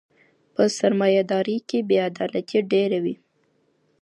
په سرمایه دارۍ کي بې عدالتي ډېره وي.